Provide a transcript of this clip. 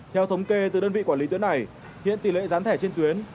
theo thống kê từ đơn vị quản lý tuyến này hiện tỷ lệ gián thẻ trên tuyến